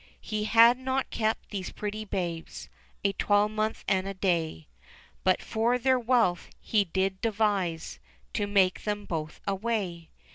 He had not kept these pretty babes A twelvemonth and a day, But, for their wealth, he did devise To make them both away.